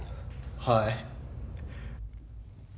はい。